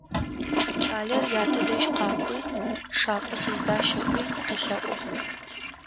Кӏалэр ятэ дэжь къакӏуи: «Шакӏо сыздащ», - ыӏуи къелъэӏугъ.